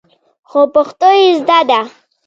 خو پښتو يې زده ده.